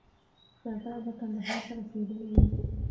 سردار به کندهار ته رسېدلی وي.